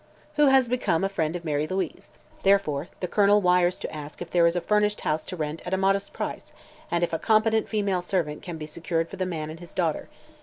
"Who has become a friend of Mary Louise, therefore the Colonel wires to ask if there is a furnished house to rent at a modest price and if a competent female servant can be secured for the man and his daughter.